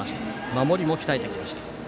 守りも鍛えてきました。